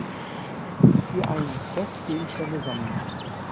Für einen Quest Gegenstände sammeln.